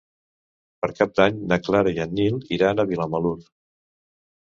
Per Cap d'Any na Clara i en Nil iran a Vilamalur.